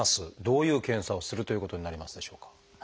どういう検査をするということになりますでしょうか？